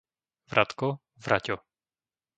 Vratko, Vraťo